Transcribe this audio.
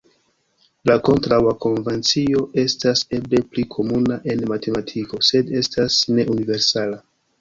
La kontraŭa konvencio estas eble pli komuna en matematiko sed estas ne universala.